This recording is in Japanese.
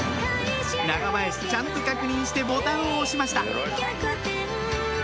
「長林」ちゃんと確認してボタンを押しました